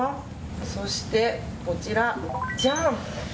そして、こちら、ジャン！